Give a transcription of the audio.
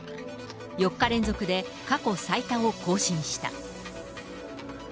４日連続で過去最多を更新した。